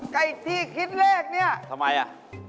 ใกล้ที่คิดเลขนี่ทำไมล่ะ